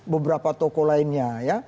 beberapa toko lainnya